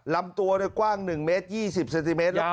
ลำตัวกว้าง๑เมตร๒๐เซนติเมตร